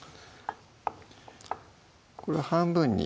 これ半分に？